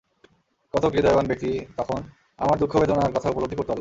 কতক হৃদয়বান ব্যক্তি তখন আমার দুঃখ বেদনার কথা উপলব্ধি করতে পারল।